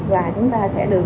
và chúng ta sẽ được